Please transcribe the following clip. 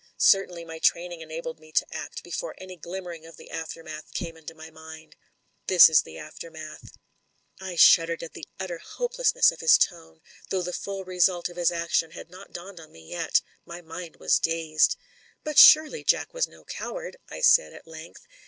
Certainly my training enabled me to act before any glimmering of the aftermath came into my mind. This is the aftermath," THE FATAL SECOND 117 I shuddered at the utter hopelessness of his tone, though the full result of his action had not dawned on me yet ; my mind was dazed. "But surely Jack was no coward," I said at length.